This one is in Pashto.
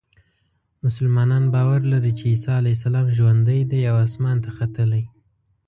مسلمانان باور لري چې عیسی علیه السلام ژوندی دی او اسمان ته ختلی.